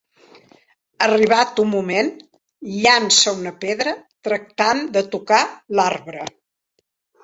Arribat un moment, llança una pedra, tractant de tocar l'arbre.